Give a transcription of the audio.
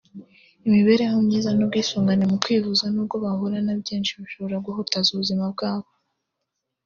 imibereho myiza n’ubwisungane mu kwivuza n’ubwo bahura na byinshi bishobora guhutaza ubuzima bwabo